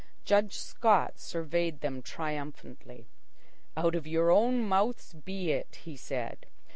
Judge Scott surveyed them triumphantly. "Out of your own mouths be it," he said.